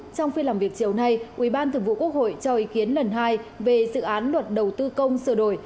trong phiên làm việc chiều nay ủy ban thường vụ quốc hội cho ý kiến lần hai về dự án luật đầu tư công sửa đổi